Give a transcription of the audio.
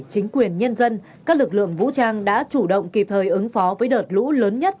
chính quyền nhân dân các lực lượng vũ trang đã chủ động kịp thời ứng phó với đợt lũ lớn nhất